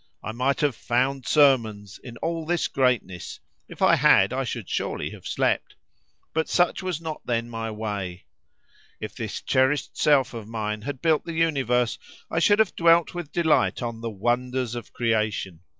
I might have "found sermons" in all this greatness (if I had I should surely have slept), but such was not then my way. If this cherished self of mine had built the universe, I should have dwelt with delight on "the wonders of creation."